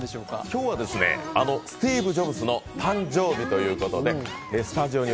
今日はスティーブ・ジョブズの誕生日ということでスタジオに